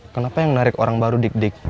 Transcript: kenapa yang menarik orang baru dik dik